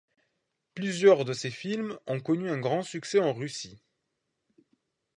Plusieurs de ses films ont connu un grand succès en Russie.